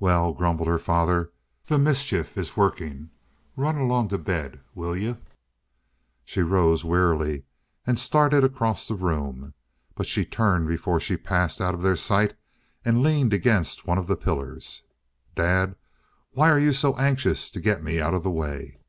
"Well," grumbled her father, "the mischief is working. Run along to bed, will you?" She rose, wearily, and started across the room. But she turned before she passed out of their sight and leaned against one of the pillars. "Dad, why you so anxious to get me out of the way?"